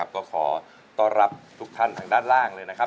ก็ขอต้อนรับทุกท่านทางด้านล่างเลยนะครับ